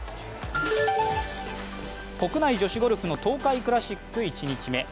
国内女子ゴルフの東海クラシック１日目。